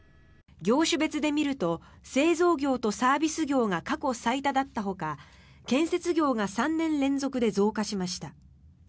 業種別で見ると製造業とサービス業が過去最多だったほか建設業が３年連続で増加しました。